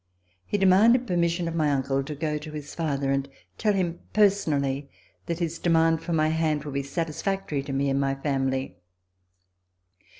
He demanded permission of my uncle to go to his father and tell him personally that his demand for my hand would be satisfactory to me and my family.